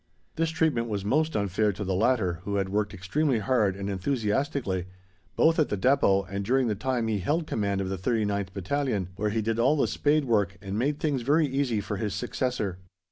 This treatment was most unfair to the latter, who had worked extremely hard and enthusiastically, both at the Depôt and during the time he held command of the 39th Battalion, where he did all the spade work and made things very easy for his successor.